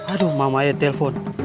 aduh mama ya telpon